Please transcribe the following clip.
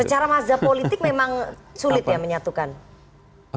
secara mazhab politik memang sulit ya menyatukan